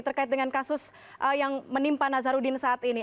terkait dengan kasus yang menimpa nazarudin saat ini